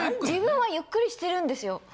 自分はゆっくりしてるんですよ。